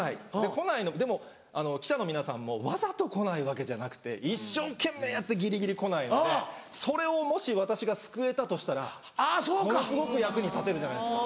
でも記者の皆さんもわざと来ないわけじゃなくて一生懸命やってギリギリ来ないのでそれをもし私が救えたとしたらものすごく役に立てるじゃないですか。